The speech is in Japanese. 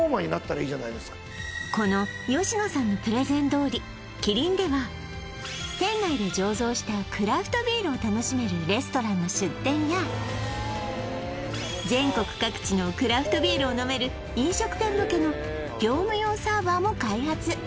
そういう所からこのキリンでは店内で醸造したクラフトビールを楽しめるレストランの出店や全国各地のクラフトビールを飲める飲食店向けの業務用サーバーも開発